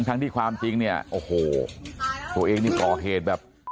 ทั้งที่ความจริงเนี่ยโอ้โหตัวเองนี่ก่อเหตุแบบ